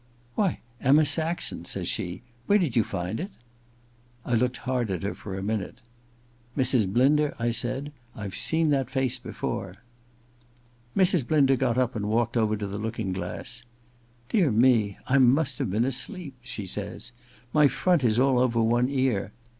* Why, Emma Saxon,' says she. * Where did you find it ?' I looked hard at her for a minute. * Mrs. Blinder,' I said, * I've seen that face before.' Mrs. Blinder got up and walked over to the looking glass. * Dear me ! I must have been asleep,' she says. * My front is all over one ear.